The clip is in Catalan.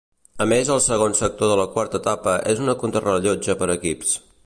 A més el segon sector de la quarta etapa és una contrarellotge per equips.